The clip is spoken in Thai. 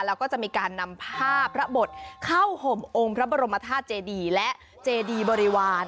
แล้วก็จะมีการนำผ้าพระบทเข้าห่มองค์พระบรมธาตุเจดีและเจดีบริวาร